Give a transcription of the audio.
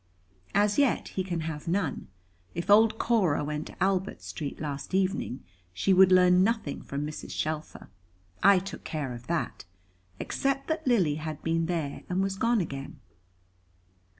"As yet, he can have none. If old Cora went to Albert Street last evening, she would learn nothing from Mrs. Shelfer, I took care of that, except that Lily had been there, and was gone again.